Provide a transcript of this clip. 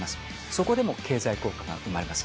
そこでも経済効果が生まれます。